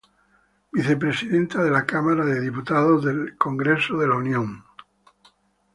Vicepresidenta de la Cámara de Diputados del H. Congreso de la Unión.